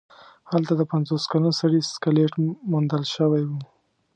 هلته د پنځوس کلن سړي سکلیټ موندل شوی و.